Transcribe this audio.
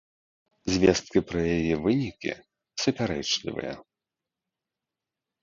Звесткі пра яе вынікі супярэчлівыя.